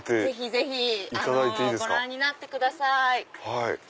ぜひご覧になってください。